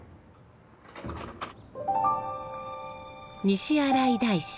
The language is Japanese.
西新井大師。